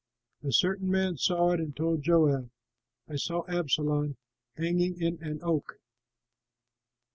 A certain man saw it and told Joab, "I saw Absalom hanging in an oak."